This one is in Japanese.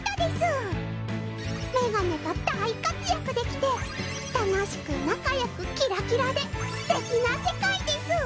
メガネが大活躍できて楽しく仲よくキラキラですてきな世界です！